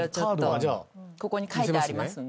ここに書いてありますんで。